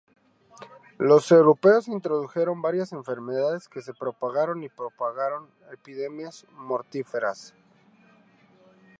Los europeos introdujeron varias enfermedades que se propagaron y provocaron epidemias mortíferas.